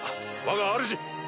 わがあるじ！